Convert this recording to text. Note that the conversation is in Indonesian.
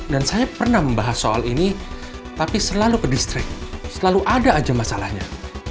dan saya pernah membahas soal ini tapi selalu ke distrik selalu ada aja masalahnya